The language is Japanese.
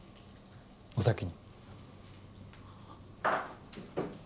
お先に。